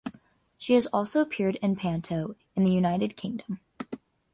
She has also appeared in panto in the United Kingdom.